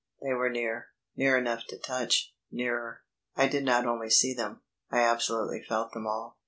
They were near; near enough to touch; nearer. I did not only see them, I absolutely felt them all.